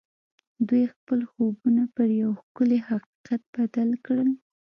دوی خپل خوبونه پر یو ښکلي حقیقت بدل کړل